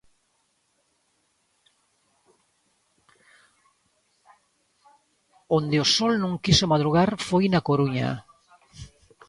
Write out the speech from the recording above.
Onde o sol non quixo madrugar foi na Coruña.